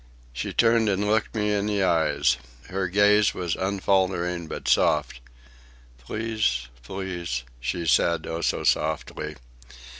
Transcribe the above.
She turned and looked me in the eyes. Her gaze was unfaltering, but soft. "Please, please," she said, oh, so softly.